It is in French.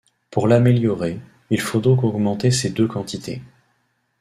Pour l'améliorer, il faut donc augmenter ces deux quantités.